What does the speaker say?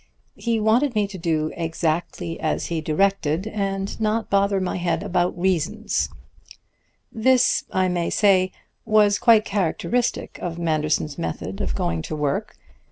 He wanted me to do exactly as he directed, and not bother my head about reasons. "This, I may say, was quite characteristic of Manderson's method of going to work.